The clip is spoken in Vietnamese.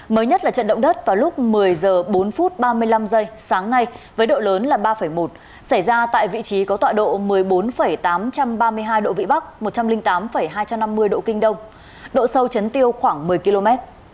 mới nhất là trận động đất vào lúc một mươi h bốn ba mươi năm giây sáng nay với độ lớn là ba một xảy ra tại vị trí có tọa độ một mươi bốn tám trăm ba mươi hai độ vĩ bắc một trăm linh tám hai trăm năm mươi độ kinh đông độ sâu chấn tiêu khoảng một mươi km